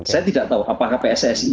saya tidak tahu apakah pssi